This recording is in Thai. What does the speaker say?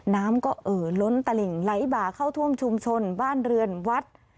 น้ำก็เอ่อล้นตลิ่งไหลบ่าเข้าท่วมชุมชนบ้านเรือนวัด